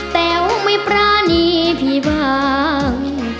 แต๋วไม่ปรานีพี่บาง